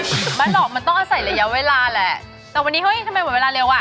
ไม่หรอกมันต้องอาศัยระยะเวลาแหละแต่วันนี้เฮ้ยทำไมหมดเวลาเร็วอ่ะ